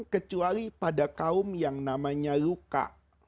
kecuali pada kaum yang namanya luka